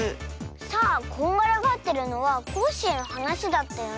さあこんがらがってるのはコッシーのはなしだったよね。